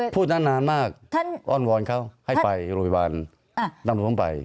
พูดนั้นนานมากอ้อนวอนเขาให้ไปโรงพยาบาลนำหลวงไป